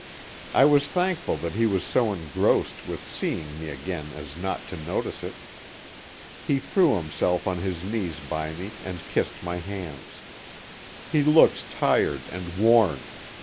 I was thankful that he was so engrossed with seeing me again as not to notice it. He threw himself on his knees by me and kissed my hands. He looks tired and worn.